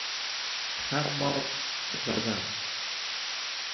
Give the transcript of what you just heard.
خماک زدن